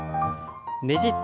ねじって。